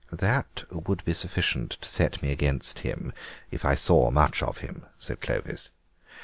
"That would be sufficient to set me against him, if I saw much of him," said Clovis.